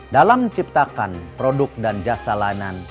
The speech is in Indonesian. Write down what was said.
dalam menciptakan produk dan jasa yang menarik untuk pembinaan keuangan indonesia